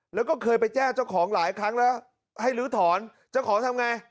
แล้วก็เคยไปแจ้งเจ้าของหลายครั้งแล้วให้ลื้อถอนเจ้าของทำไง